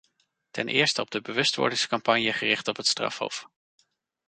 Ten eerste op de bewustwordingscampagne gericht op het strafhof.